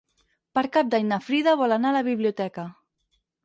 Per Cap d'Any na Frida vol anar a la biblioteca.